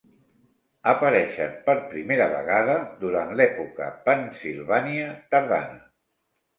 Apareixen per primera vegada durant l'època Pennsilvània tardana.